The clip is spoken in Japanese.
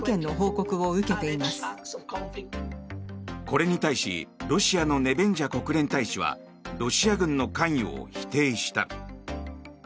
これに対しロシアのネベンジャ国連大使はロシア軍の関与を否定した。